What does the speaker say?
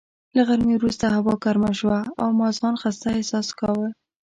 له غرمې وروسته هوا ګرمه شوه او ما ځان خسته احساس کاوه.